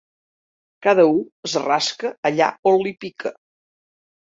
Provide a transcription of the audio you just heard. Cada u es rasca allà on li pica.